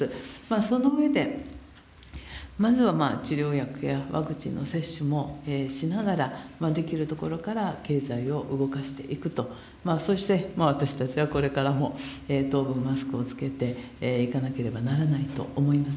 その上で、まずは治療薬やワクチンの接種もしながら、できるところから経済を動かしていくと、そして、私たちはこれからも当分マスクを着けていかなければならないと思います。